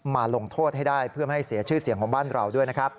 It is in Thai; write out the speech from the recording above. มาลงโทษให้ได้เพื่อไม่เสียชื่อเสียงของบ้านเราด้วย